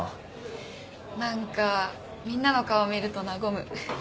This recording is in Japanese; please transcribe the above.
何かみんなの顔見ると和む。